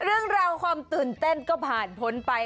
เอ้าหลังตื่นเต้นก็ผ่านพ้นไป